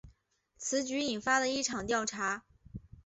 此举引发了一场调查。